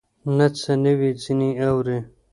نه څه نوي ځینې اورې